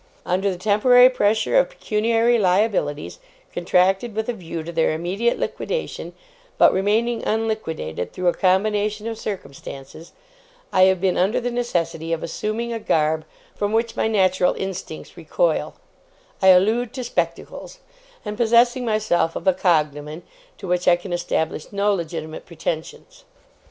Under the temporary pressure of pecuniary liabilities, contracted with a view to their immediate liquidation, but remaining unliquidated through a combination of circumstances, I have been under the necessity of assuming a garb from which my natural instincts recoil I allude to spectacles and possessing myself of a cognomen, to which I can establish no legitimate pretensions.